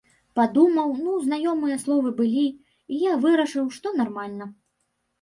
Падумаў, ну, знаёмыя словы былі, і я вырашыў, што нармальна.